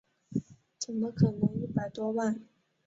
怎么可能一百多万